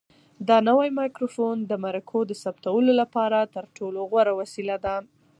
دا نوی مایکروفون د مرکو د ثبتولو لپاره تر ټولو غوره وسیله ده.